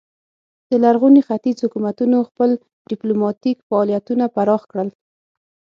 د لرغوني ختیځ حکومتونو خپل ډیپلوماتیک فعالیتونه پراخ کړل